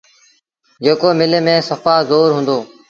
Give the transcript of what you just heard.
جيڪو مله ميݩ سڦآ زور هُݩدو۔